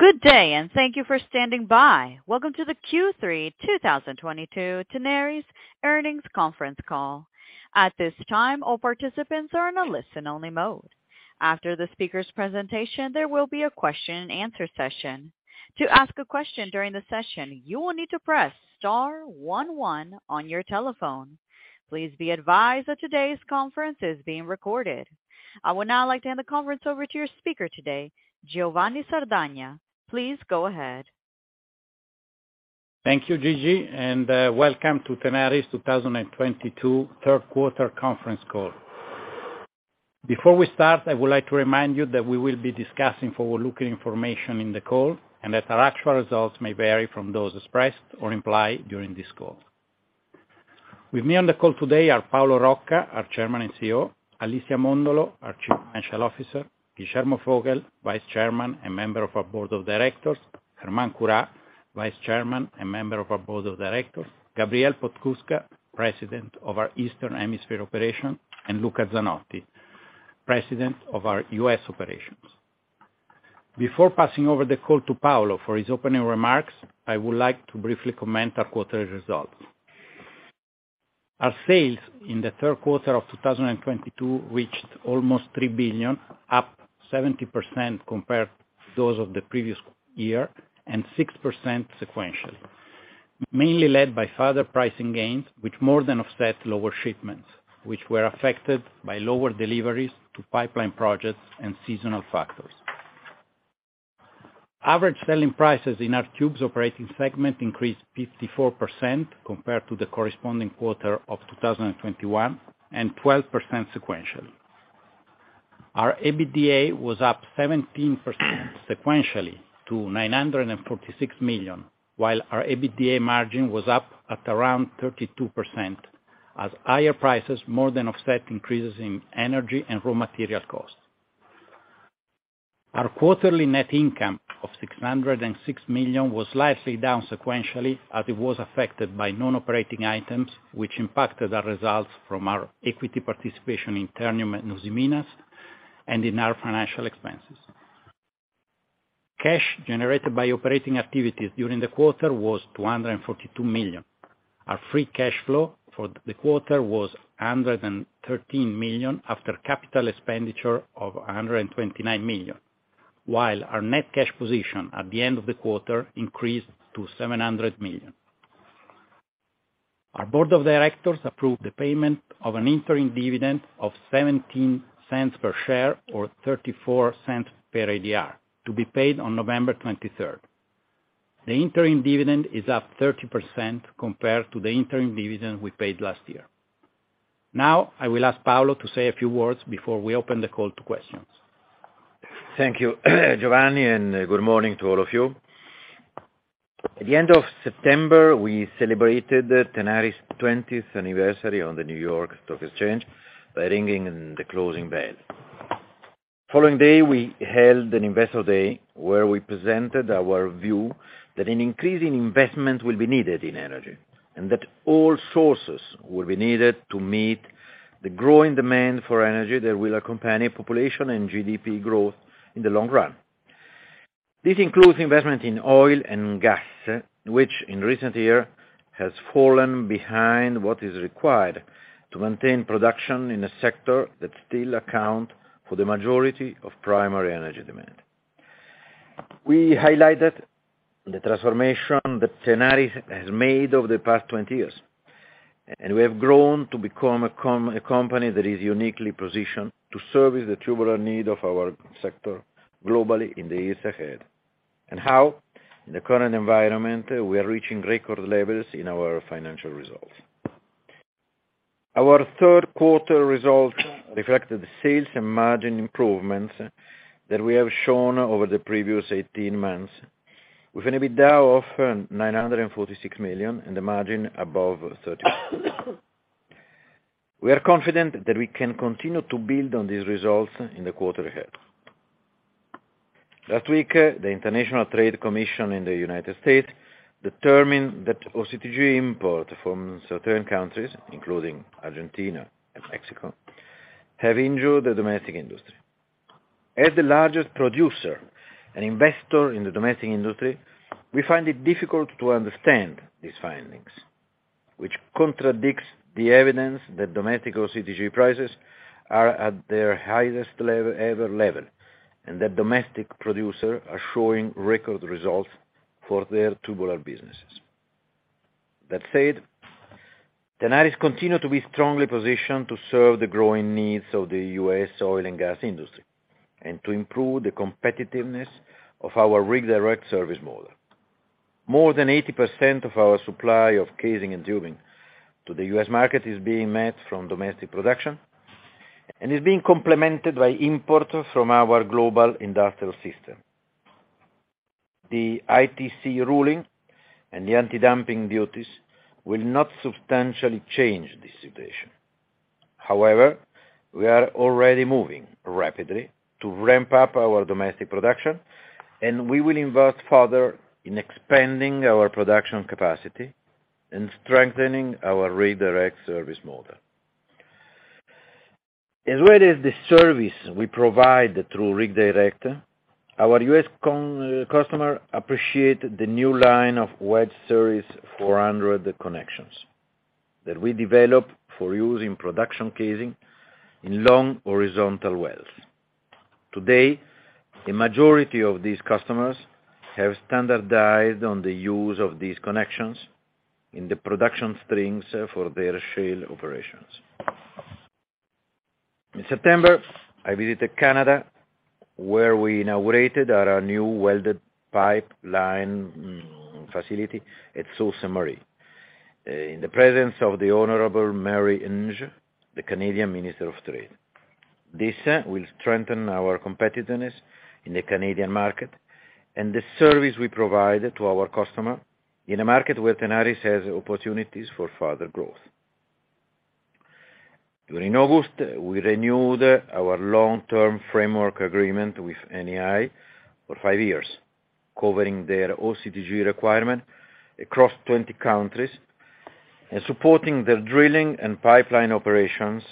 Good day, thank you for standing by. Welcome to the Q3 2022 Tenaris Earnings Conference Call. At this time, all participants are on a listen only mode. After the speaker's presentation, there will be a question and answer session. To ask a question during the session, you will need to press star one one on your telephone. Please be advised that today's conference is being recorded. I would now like to hand the conference over to your speaker today, Giovanni Sardagna. Please go ahead. Thank you, Gigi, and welcome to Tenaris 2022 Q3 conference call. Before we start, I would like to remind you that we will be discussing forward-looking information in the call, and that our actual results may vary from those expressed or implied during this call. With me on the call today are Paolo Rocca, our Chairman and CEO, Alicia Mondolo, our Chief Financial Officer, Guillermo Vogel, Vice Chairman and member of our Board of Directors, Germán Curá, Vice Chairman and member of our Board of Directors, Gabriel Podskubka, President of our Eastern Hemisphere Operation, and Luca Zanotti, President of our U.S. Operations. Before passing over the call to Paolo for his opening remarks, I would like to briefly comment on our quarterly results. Our sales in the Q3 of 2022 reached almost $3 billion, up 70% compared to those of the previous year, and 6% sequentially. Mainly led by further pricing gains, which more than offset lower shipments, which were affected by lower deliveries to pipeline projects and seasonal factors. Average selling prices in our tubes operating segment increased 54% compared to the corresponding quarter of 2021, and 12% sequentially. Our EBITDA was up 17% sequentially to $946 million, while our EBITDA margin was up at around 32% as higher prices more than offset increases in energy and raw material costs. Our quarterly net income of $606 million was slightly down sequentially as it was affected by non-operating items, which impacted our results from our equity participation in Ternium in Usiminas and in our financial expenses. Cash generated by operating activities during the quarter was $242 million. Our free cash flow for the quarter was $113 million after capital expenditure of $129 million. While our net cash position at the end of the quarter increased to $700 million. Our board of directors approved the payment of an interim dividend of $0.17 per share or $0.34 per ADR to be paid on November 23rd. The interim dividend is up 30% compared to the interim dividend we paid last year. Now, I will ask Paolo to say a few words before we open the call to questions. Thank you, Giovanni, and good morning to all of you. At the end of September, we celebrated Tenaris' twentieth anniversary on the New York Stock Exchange by ringing the closing bell. The following day, we held an investor day where we presented our view that an increase in investment will be needed in energy, and that all sources will be needed to meet the growing demand for energy that will accompany population and GDP growth in the long run. This includes investment in oil and gas, which in recent years has fallen behind what is required to maintain production in a sector that still accounts for the majority of primary energy demand. We highlighted the transformation that Tenaris has made over the past 20 years, and we have grown to become a company that is uniquely positioned to service the tubular need of our sector globally in the years ahead, and how in the current environment we are reaching record levels in our financial results. Our Q3 results reflected sales and margin improvements that we have shown over the previous 18 months, with an EBITDA of $946 million and the margin above 30%. We are confident that we can continue to build on these results in the quarter ahead. Last week, the United States International Trade Commission determined that OCTG imports from certain countries, including Argentina and Mexico, have injured the domestic industry. As the largest producer and investor in the domestic industry, we find it difficult to understand these findings, which contradicts the evidence that domestic OCTG prices are at their highest ever level, and that domestic producers are showing record results for their tubular businesses. That said, Tenaris continues to be strongly positioned to serve the growing needs of the U.S. oil and gas industry, and to improve the competitiveness of our Rig Direct service model. More than 80% of our supply of casing and tubing to the U.S. market is being met from domestic production and is being complemented by imports from our global industrial system. The ITC ruling and the antidumping duties will not substantially change this situation. However, we are already moving rapidly to ramp up our domestic production, and we will invest further in expanding our production capacity and strengthening our Rig Direct service model. As well as the service we provide through Rig Direct, our US customers appreciate the new line of Wedge Series 400 connections that we develop for use in production casing in long horizontal wells. Today, a majority of these customers have standardized on the use of these connections in the production strings for their shale operations. In September, I visited Canada, where we inaugurated our new welded pipeline facility at Sault Ste. Marie, in the presence of the Honorable Mary Ng, the Canadian Minister of Trade. This will strengthen our competitiveness in the Canadian market and the service we provide to our customers in a market where Tenaris has opportunities for further growth. During August, we renewed our long-term framework agreement with Eni for five years, covering their OCTG requirement across 20 countries and supporting the drilling and pipeline operations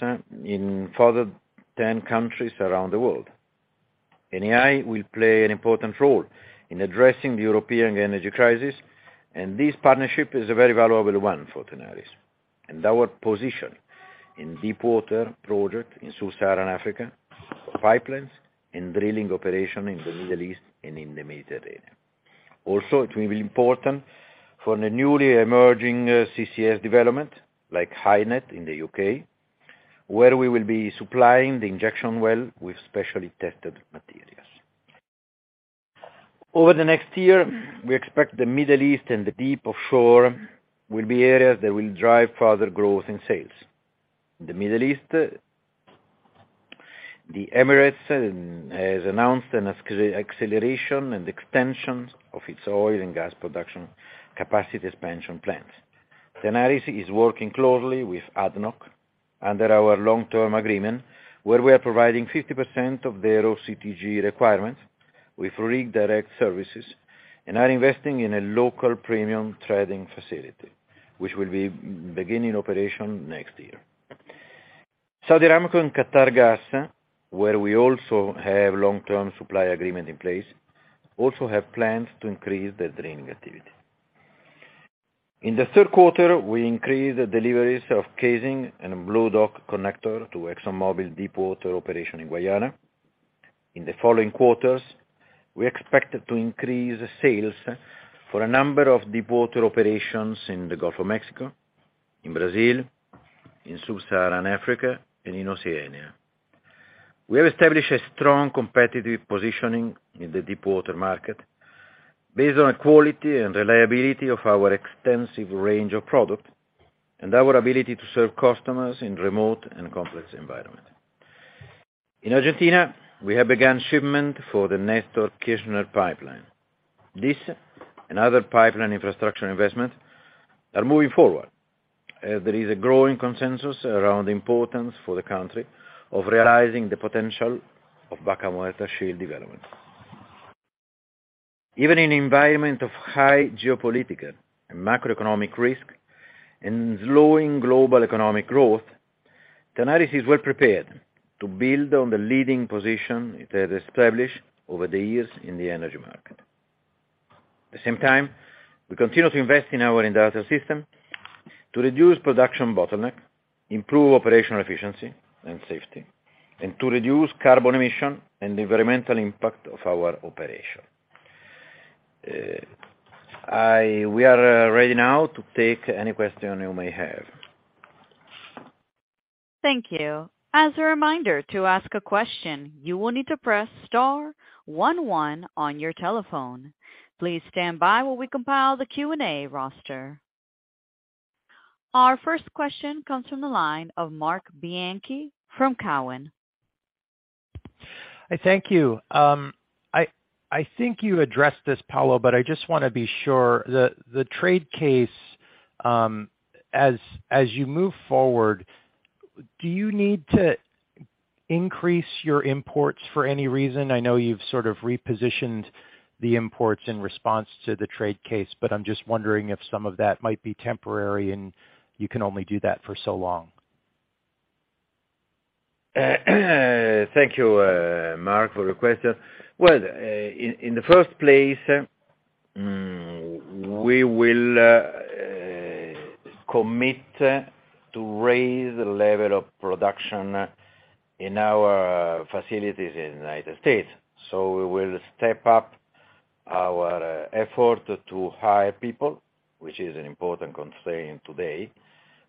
in further 10 countries around the world. Eni will play an important role in addressing the European energy crisis, and this partnership is a very valuable one for Tenaris and our position in deepwater project in Sub-Saharan Africa, pipelines and drilling operation in the Middle East and in the Mediterranean. Also, it will be important for the newly emerging CCS development, like HyNet in the U.K., where we will be supplying the injection well with specially tested materials. Over the next year, we expect the Middle East and the deep offshore will be areas that will drive further growth in sales. The Middle East, the Emirates has announced an acceleration and extension of its oil and gas production capacity expansion plans. Tenaris is working closely with ADNOC under our long-term agreement, where we are providing 50% of their OCTG requirements with Rig Direct services and are investing in a local premium threading facility, which will be beginning operation next year. Saudi Aramco and Qatargas, where we also have long-term supply agreement in place, also have plans to increase their drilling activity. In the Q3, we increased deliveries of casing and BlueDock connector to ExxonMobil deepwater operation in Guyana. In the following quarters, we expect to increase sales for a number of deepwater operations in the Gulf of Mexico, in Brazil, in Sub-Saharan Africa, and in Oceania. We have established a strong competitive positioning in the deepwater market based on the quality and reliability of our extensive range of product and our ability to serve customers in remote and complex environment. In Argentina, we have begun shipment for the Néstor Kirchner pipeline. This and other pipeline infrastructure investments are moving forward. There is a growing consensus around the importance for the country of realizing the potential of Vaca Muerta shale development. Even in environment of high geopolitical and macroeconomic risk and slowing global economic growth, Tenaris is well prepared to build on the leading position it has established over the years in the energy market. At the same time, we continue to invest in our industrial system to reduce production bottleneck, improve operational efficiency and safety, and to reduce carbon emission and the environmental impact of our operation. We are ready now to take any question you may have. Thank you. As a reminder, to ask a question, you will need to press star one one on your telephone. Please stand by while we compile the Q&A roster. Our first question comes from the line of Marc Bianchi from Cowen. Thank you. I think you addressed this, Paolo, but I just wanna be sure. The trade case, as you move forward, do you need to increase your imports for any reason? I know you've sort of repositioned the imports in response to the trade case, but I'm just wondering if some of that might be temporary, and you can only do that for so long. Thank you, Marc, for the question. In the first place, we will commit to raise the level of production in our facilities in the United States. We will step up our effort to hire people, which is an important constraint today,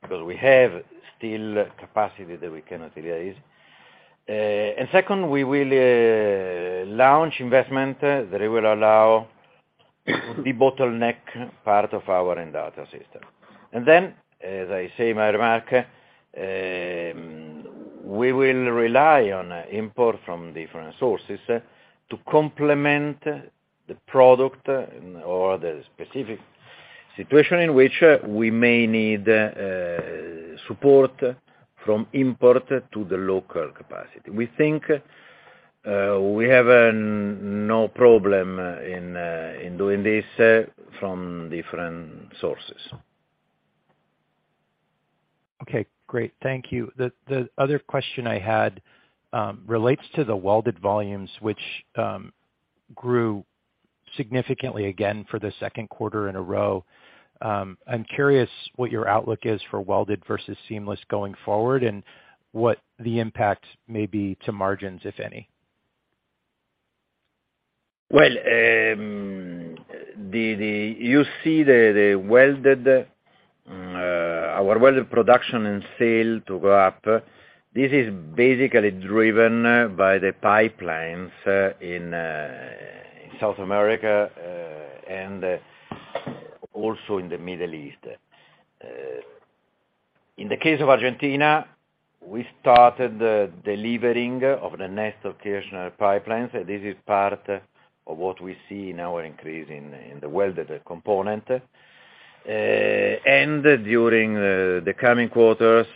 because we have still capacity that we can utilize. Second, we will launch investment that will allow debottleneck part of our Endata system. Then as I say, Marc, we will rely on imports from different sources to complement the product or the specific situation in which we may need support from imports to the local capacity. We think we have no problem in doing this from different sources. Okay, great. Thank you. The other question I had relates to the welded volumes, which grew significantly again for the Q2 in a row. I'm curious what your outlook is for welded versus seamless going forward, and what the impact may be to margins, if any. You see our welded production and sale to go up. This is basically driven by the pipelines in South America and also in the Middle East. In the case of Argentina, we started delivering of the Néstor Kirchner pipelines. This is part of what we see in our increase in the welded component. During the coming quarters,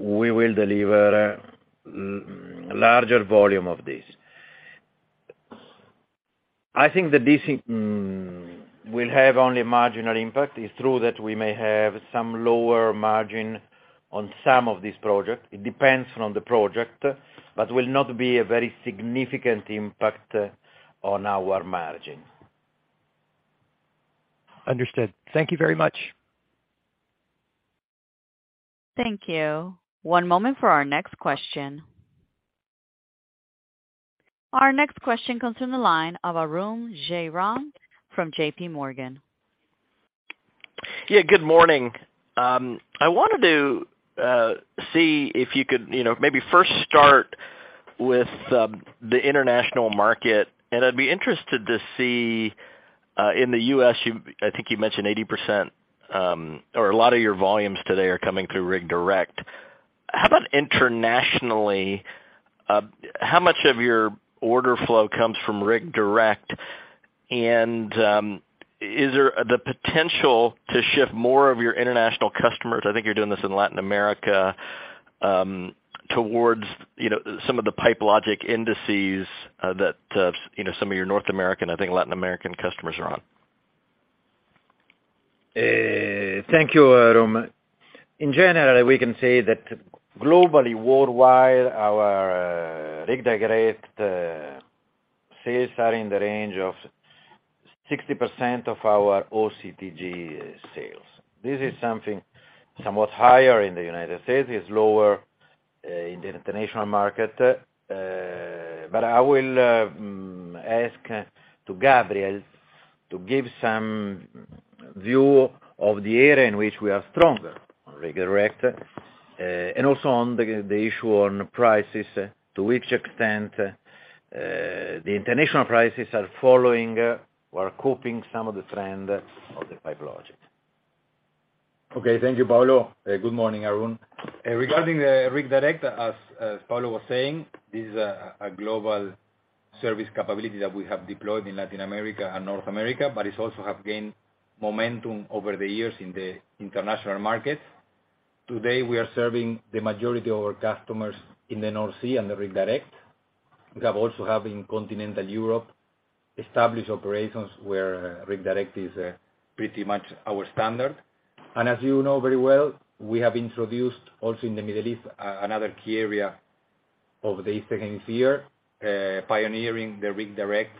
we will deliver larger volume of this. I think that this will have only marginal impact. It's true that we may have some lower margin on some of these projects. It depends on the project, but will not be a very significant impact on our margin. Understood. Thank you very much. Thank you. One moment for our next question. Our next question comes from the line of Arun Jayaram from JPMorgan. Yeah, good morning. I wanted to see if you could, you know, maybe first start with the international market, and I'd be interested to see in the U.S., you, I think you mentioned 80% or a lot of your volumes today are coming through Rig Direct. How about internationally, how much of your order flow comes from Rig Direct? And is there the potential to shift more of your international customers, I think you're doing this in Latin America, towards, you know, some of the Pipe Logix indices that you know, some of your North American, I think Latin American customers are on? Thank you, Arun. In general, we can say that globally, worldwide, our Rig Direct sales are in the range of 60% of our OCTG sales. This is something somewhat higher in the United States. It's lower in the international market. I will ask Gabriel Podskubka to give some view of the area in which we are stronger on Rig Direct and also on the issue on prices, to which extent the international prices are following or copying some of the trend of the Pipe Logix. Okay. Thank you, Paolo. Good morning, Arun. Regarding the Rig Direct, as Paolo was saying, this is a global service capability that we have deployed in Latin America and North America, but it also have gained momentum over the years in the international markets. Today, we are serving the majority of our customers in the North Sea on the Rig Direct. We have also in continental Europe, established operations where Rig Direct is pretty much our standard. As you know very well, we have introduced also in the Middle East, another key area over this second year, pioneering the Rig Direct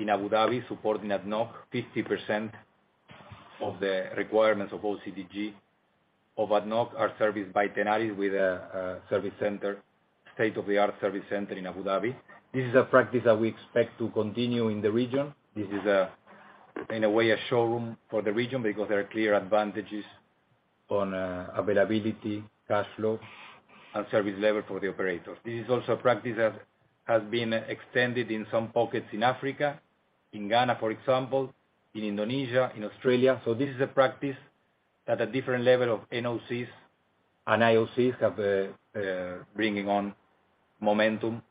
in Abu Dhabi, supporting ADNOC. 50% of the requirements of OCTG of ADNOC are serviced by Tenaris with a service center, state-of-the-art service center in Abu Dhabi. This is a practice that we expect to continue in the region. This is, in a way, a showroom for the region because there are clear advantages on availability, cash flow, and service level for the operators. This is also a practice that has been extended in some pockets in Africa, in Ghana, for example, in Indonesia, in Australia. This is a practice at a different level of NOCs and IOCs have bringing on momentum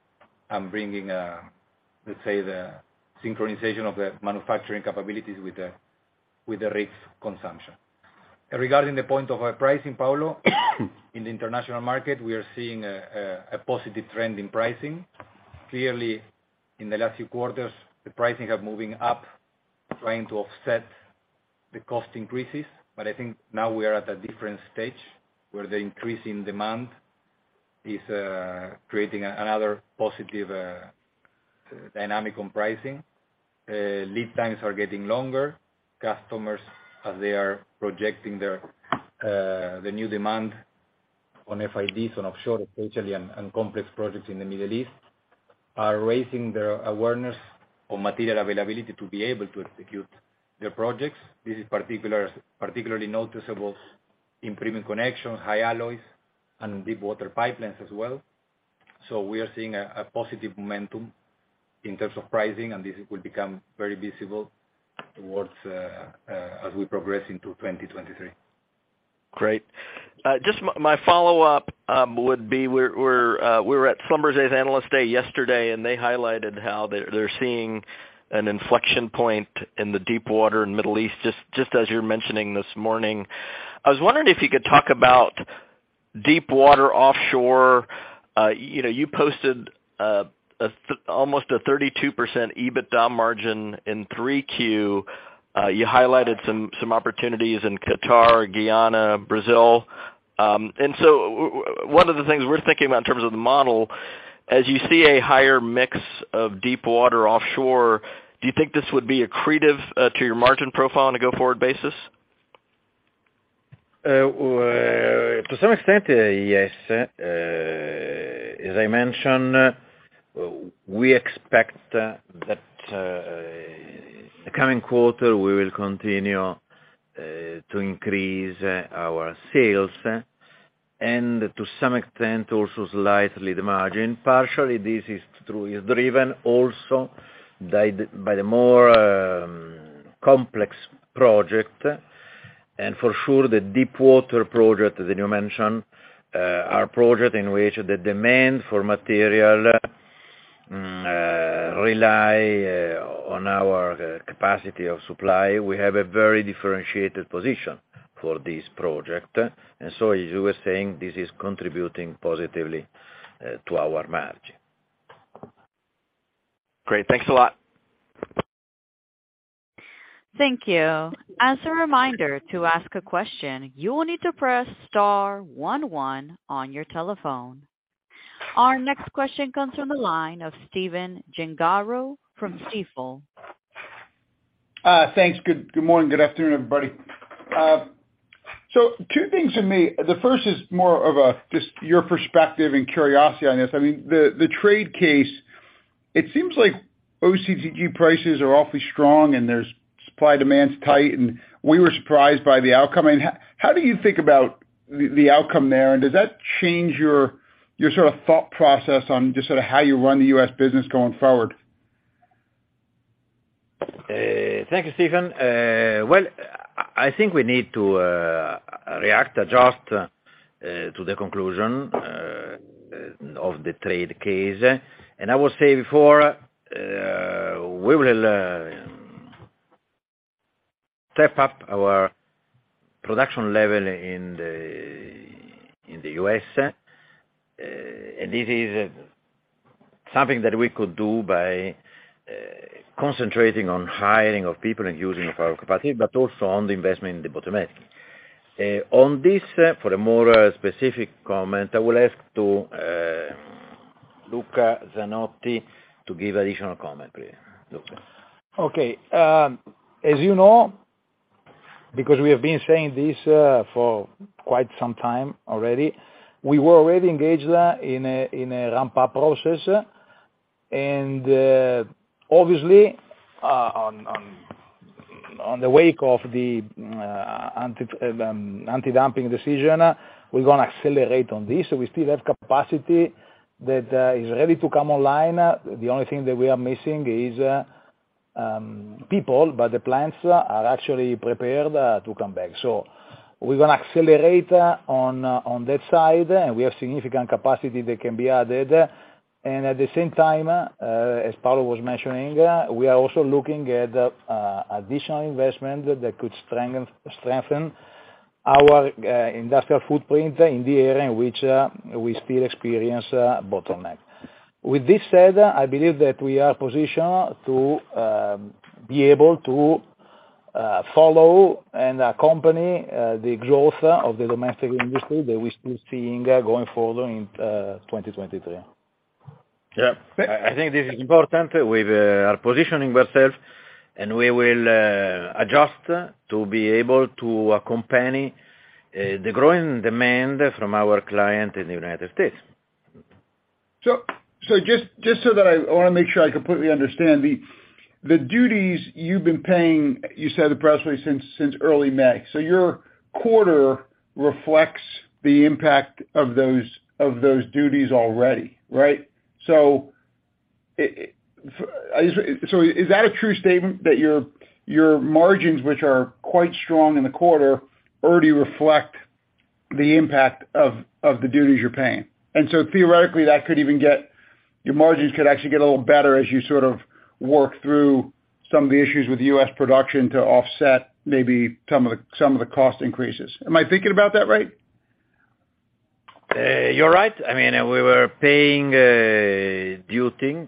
and bringing, let's say, the synchronization of the manufacturing capabilities with the rigs consumption. Regarding the point of our pricing, Paolo, in the international market, we are seeing a positive trend in pricing. Clearly, in the last few quarters, the pricing are moving up, trying to offset the cost increases. I think now we are at a different stage where the increase in demand is creating another positive dynamic on pricing. Lead times are getting longer. Customers, as they are projecting their, the new demand on FIDs on offshore especially and complex projects in the Middle East, are raising their awareness on material availability to be able to execute their projects. This is particularly noticeable in premium connections, high alloys, and deep water pipelines as well. We are seeing a positive momentum in terms of pricing, and this will become very visible towards, as we progress into 2023. Great. Just my follow-up would be we were at SLB's Analyst Day yesterday, and they highlighted how they're seeing an inflection point in the deep water in Middle East, just as you're mentioning this morning. I was wondering if you could talk about deep water offshore, you know. You posted almost a 32% EBITDA margin in 3Q. You highlighted some opportunities in Qatar, Guyana, Brazil. One of the things we're thinking about in terms of the model, as you see a higher mix of deep water offshore, do you think this would be accretive to your margin profile on a go-forward basis? To some extent, yes. As I mentioned, we expect that the coming quarter, we will continue to increase our sales. To some extent, also slightly the margin. Partially, this is driven also by the more complex project. For sure, the deep water project that you mentioned are project in which the demand for material rely on our capacity of supply. We have a very differentiated position for this project. As you were saying, this is contributing positively to our margin. Great. Thanks a lot. Thank you. As a reminder, to ask a question, you will need to press star one one on your telephone. Our next question comes from the line of Stephen Gengaro from Stifel. Thanks. Good morning. Good afternoon, everybody. Two things for me. The first is more of a just your perspective and curiosity on this. I mean, the trade case, it seems like OCTG prices are awfully strong and there's supply and demand is tight, and we were surprised by the outcome. How do you think about the outcome there? Does that change your sort of thought process on just sort of how you run the U.S. business going forward? Thank you, Stephen. Well, I think we need to react, adjust to the conclusion of the trade case. I would say before we will step up our production level in the U.S. This is something that we could do by concentrating on hiring of people and using our capacity, but also on the investment in the bottleneck. On this, for a more specific comment, I will ask Luca Zanotti to give additional comment, please. Luca. Okay. As you know, because we have been saying this for quite some time already, we were already engaged in a ramp-up process. Obviously, in the wake of the antidumping decision, we're gonna accelerate on this. We still have capacity that is ready to come online. The only thing that we are missing is people, but the plants are actually prepared to come back. We're gonna accelerate on that side, and we have significant capacity that can be added. At the same time, as Paolo was mentioning, we are also looking at additional investment that could strengthen our industrial footprint in the area in which we still experience a bottleneck. With this said, I believe that we are positioned to be able to follow and accompany the growth of the domestic industry that we're still seeing going forward in 2023. Yeah. I think this is important. We are positioning ourselves, and we will adjust to be able to accompany the growing demand from our client in the United States. Just so that I wanna make sure I completely understand. The duties you've been paying, you said approximately since early May. Your quarter reflects the impact of those duties already, right? Is that a true statement that your margins, which are quite strong in the quarter, already reflect the impact of the duties you're paying? Theoretically, your margins could actually get a little better as you sort of work through some of the issues with U.S. production to offset maybe some of the cost increases. Am I thinking about that right? You're right. I mean, we were paying duties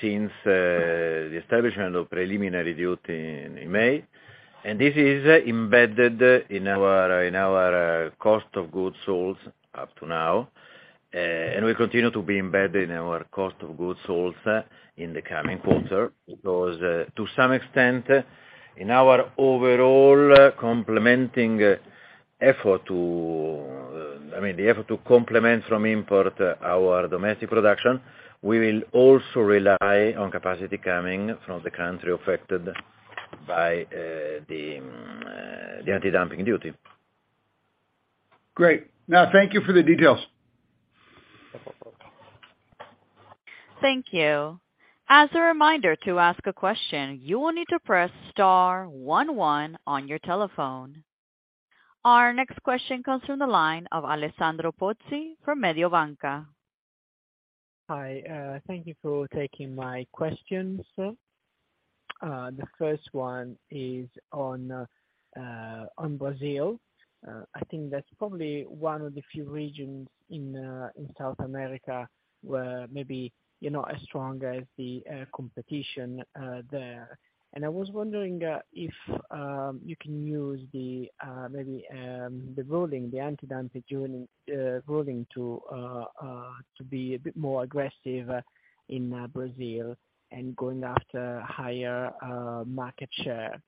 since the establishment of preliminary duty in May, and this is embedded in our cost of goods sold up to now. Will continue to be embedded in our cost of goods sold in the coming quarter. Because to some extent, in our overall complementary effort, I mean, the effort to complement our domestic production from imports, we will also rely on capacity coming from the country affected by the antidumping duty. Great. No, thank you for the details. Thank you. As a reminder, to ask a question, you will need to press star one one on your telephone. Our next question comes from the line of Alessandro Pozzi from Mediobanca. Hi, thank you for taking my questions. The first one is on Brazil. I think that's probably one of the few regions in South America where maybe you're not as strong as the competition there. I was wondering if you can use maybe the ruling, the anti-dumping ruling to be a bit more aggressive in Brazil and going after higher market share.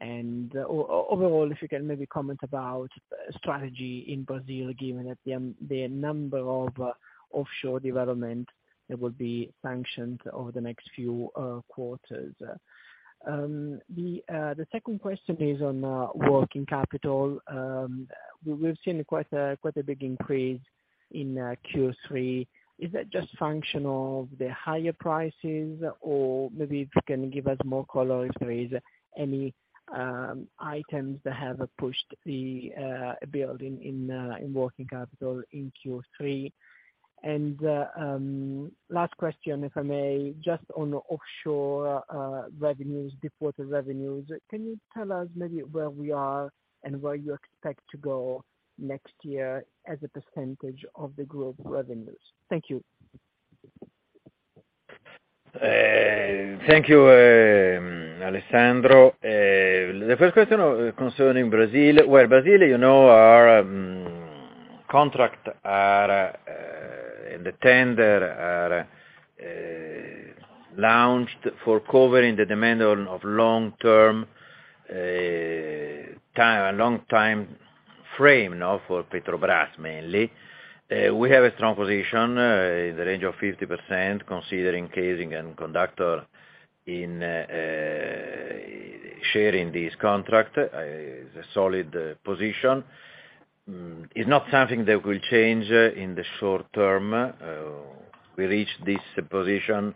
Overall, if you can maybe comment about strategy in Brazil, given that the number of offshore development that will be sanctioned over the next few quarters. The second question is on working capital. We've seen quite a big increase in Q3. Is that just a function of the higher prices? Maybe if you can give us more color if there is any items that have pushed the build in working capital in Q3. Last question, if I may, just on the offshore revenues, deepwater revenues. Can you tell us maybe where we are and where you expect to go next year as a percentage of the group revenues? Thank you. Thank you, Alessandro. The first question concerning Brazil, where, you know, our contracts are in the tender launched for covering the demand of long term, a long time frame now for Petrobras mainly. We have a strong position in the range of 50% considering casing and conductor in sharing this contract is a solid position. It's not something that will change in the short term. We reached this position,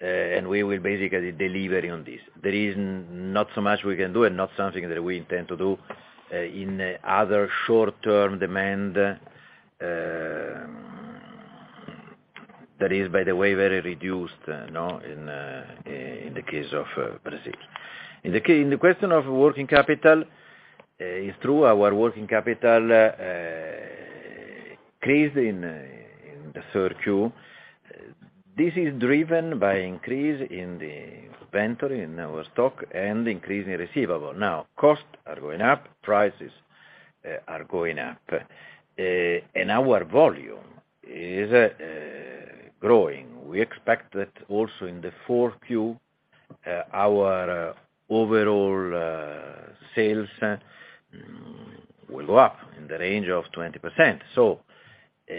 and we will basically deliver on this. There is not so much we can do and not something that we intend to do in other short-term demand that is, by the way, very reduced, you know, in the case of Brazil. In the question of working capital, it's true our working capital increased in the third Q. This is driven by increase in the inventory in our stock and increase in receivable. Now, costs are going up, prices are going up, and our volume is growing. We expect that also in the fourth Q, our overall sales will go up in the range of 20%.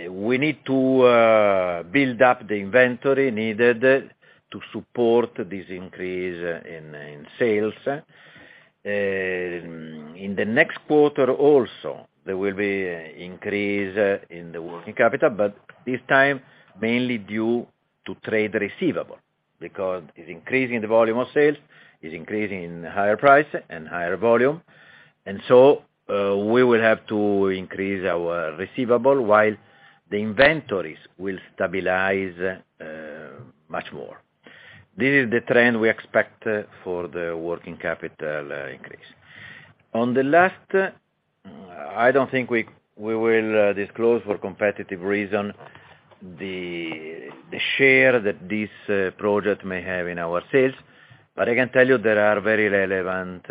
We need to build up the inventory needed to support this increase in sales. In the next quarter also, there will be increase in the working capital, but this time mainly due to trade receivable, because it's increasing the volume of sales, it's increasing higher price and higher volume. We will have to increase our receivable while the inventories will stabilize much more. This is the trend we expect for the working capital increase. On the last, I don't think we will disclose for competitive reason the share that this project may have in our sales, but I can tell you they are very relevant,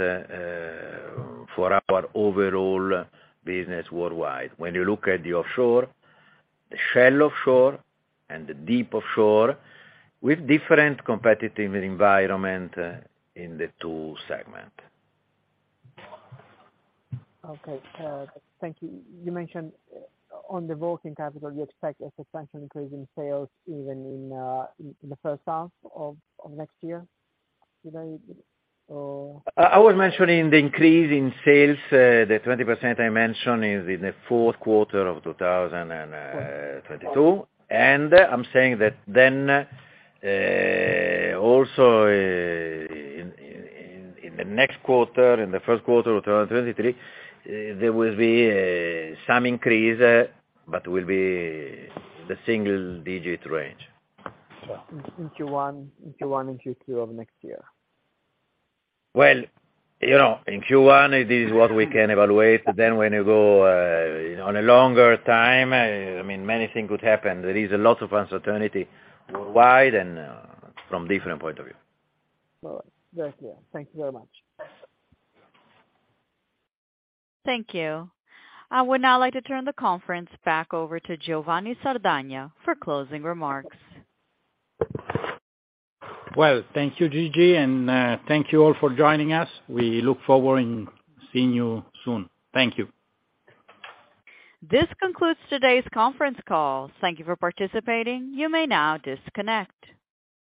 for our overall business worldwide. When you look at the offshore, the shallow offshore and the deep offshore with different competitive environment in the two segment. Okay, thank you. You mentioned on the working capital, you expect a substantial increase in sales even in the H1 of next year. Did I or. I was mentioning the increase in sales. The 20% I mentioned is in the Q4 of 2022. I'm saying that then also in the next quarter, in the Q1 of 2023, there will be some increase, but will be the single-digit range. In Q1 and Q2 of next year. Well, you know, in Q1 this is what we can evaluate. When you go on a longer time, I mean, many things could happen. There is a lot of uncertainty worldwide and from different point of view. All right. Grazie. Thank you very much. Thank you. I would now like to turn the conference back over to Giovanni Sardagna for closing remarks. Well, thank you, Gigi, and thank you all for joining us. We look forward to seeing you soon. Thank you. This concludes today's conference call. Thank you for participating. You may now disconnect.